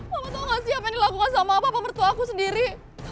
mama tau gak siapa yang dilakukan sama papa pembentuk aku sendiri